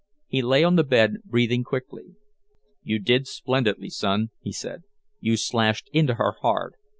He lay on the bed breathing quickly. "You did splendidly, son," he said. "You slashed into her hard.